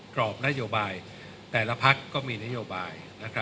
กรอบนโยบายแต่ละพักก็มีนโยบาย